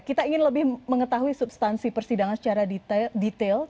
kita ingin lebih mengetahui substansi persidangan secara detail